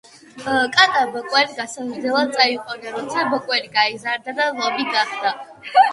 კატამ ბოკვერი გასაზრდელად წაიყვანა. როცა ბოკვერი გაიზარდა და ლომი გახდა.